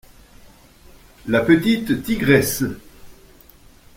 La petite tigresse.